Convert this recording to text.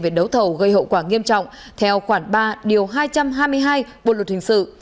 về đấu thầu gây hậu quả nghiêm trọng theo khoảng ba điều hai trăm hai mươi hai bộ luật hình sự